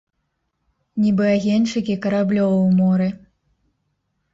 Нібы агеньчыкі караблёў у моры.